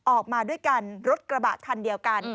ออกมาด้วยกันรถกระบะคันเดียวกัน